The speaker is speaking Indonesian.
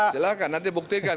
silahkan nanti buktikan